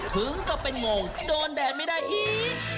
หึงก็เป็นโง่โดนแดดไม่ได้อี๊